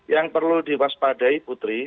yang perlu diwaspadai putri